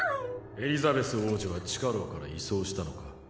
エリザベス王女は地下牢から移送したのか？